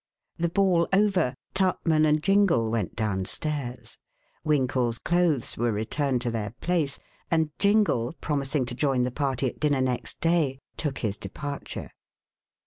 The ball over, Tupman and Jingle went down stairs. Winkle's clothes were returned to their place, and Jingle, promising to join the party at dinner next day, took his departure.